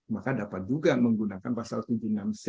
maka dapat juga menggunakan pasal tujuh puluh enam c